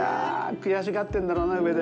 悔しがってんだろうなぁ、上で。